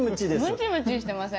ムチムチしてません？